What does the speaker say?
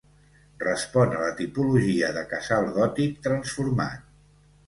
Respon a la tipologia de casal gòtic transformat.